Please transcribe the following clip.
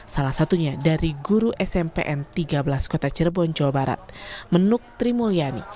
salah satunya dari guru smpn tiga belas kota cirebon jawa barat menuk trimulyani